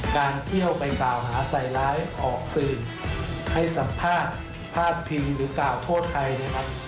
การเที่ยวไปกล่าวหาใส่ร้ายออกสื่อให้สัมภาษณ์พาดพิงหรือกล่าวโทษใครนะครับ